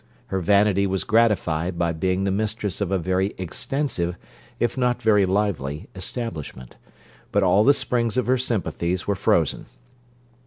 Her vanity was gratified by being the mistress of a very extensive, if not very lively, establishment; but all the springs of her sympathies were frozen.